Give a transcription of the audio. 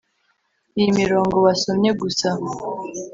Iyi mirongo wasomye gusa